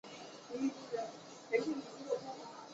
小震旦光介为半花介科震旦光介属下的一个种。